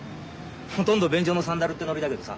ほとんど便所のサンダルってノリだけどさ。